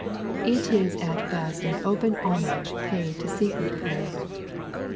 It is at best an open homage paid to secret prayer.